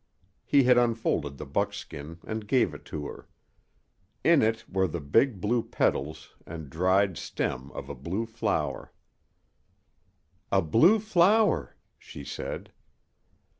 He had unfolded the buckskin, and gave it to her. In it were the big blue petals and dried stem of a blue flower. "A blue flower!" she said.